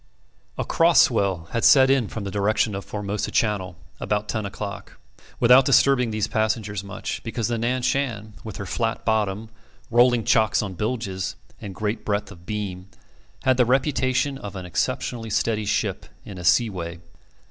A cross swell had set in from the direction of Formosa Channel about ten o'clock, without disturbing these passengers much, because the Nan Shan, with her flat bottom, rolling chocks on bilges, and great breadth of beam, had the reputation of an exceptionally steady ship in a sea way.